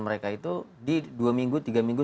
mereka itu di dua minggu tiga minggu